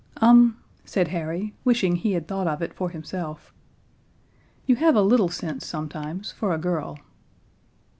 "Um," said Harry, wishing he had thought of it for himself, "you have a little sense sometimes, for a girl."